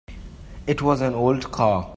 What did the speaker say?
It was an old car.